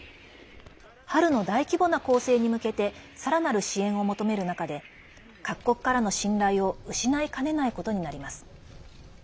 春の大規模な攻勢に向けてさらなる支援を求める中で各国からの信頼を失いかねないことになります。